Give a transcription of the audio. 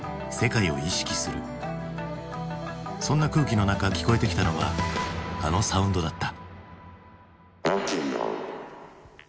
そんな空気の中聞こえてきたのはあのサウンドだった。